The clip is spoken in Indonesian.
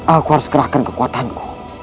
aku harus kerahkan kekuatanku